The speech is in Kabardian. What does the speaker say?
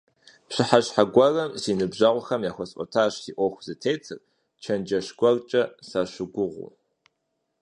Пщыхьэщхьэ гуэрым си ныбжьэгъухэм яхуэсӀуэтащ си Ӏуэху зытетыр, чэнджэщ гуэркӀэ сащыгугъыу.